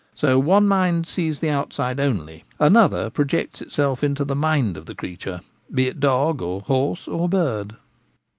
So one mind sees the outside only ; another projects itself into the mind of the creature, be it dog or horse or bird.